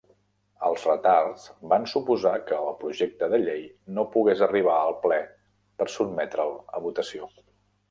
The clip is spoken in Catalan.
Els retards van suposar que el projecte de llei no pogués arribar al ple per sotmetre'l a votació.